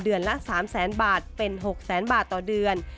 เดือนละ๓๐๐๐๐๐บาทเป็น๖๐๐๐๐๐บาทต่อเดือน